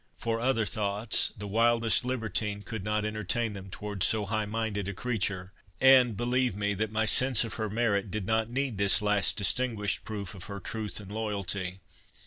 For other thoughts, the wildest libertine could not entertain them towards so high minded a creature; and believe me, that my sense of her merit did not need this last distinguished proof of her truth and loyalty.